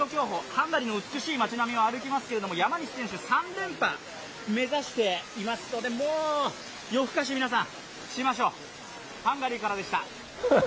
ハンガリーの美しい町並みを歩きますけれども山西選手、３連覇目指していますので夜更かし、皆さんしましょう。